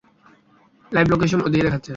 Live location ওদিকে দেখাচ্ছে।